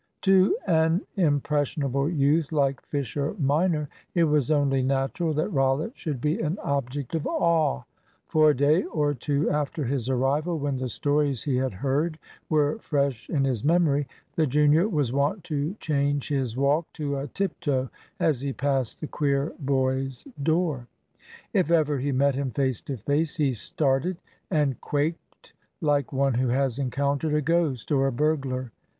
To an impressionable youth like Fisher minor it was only natural that Rollitt should be an object of awe. For a day or two after his arrival, when the stories he had heard were fresh in his memory, the junior was wont to change his walk to a tip toe as he passed the queer boy's door. If ever he met him face to face, he started and quaked like one who has encountered a ghost or a burglar.